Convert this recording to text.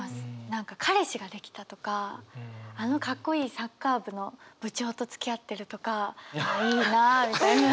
何か彼氏ができたとかあのかっこいいサッカー部の部長とつきあってるとかいいなあみたいな。